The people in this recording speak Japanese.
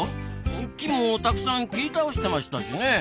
木もたくさん切り倒してましたしねえ。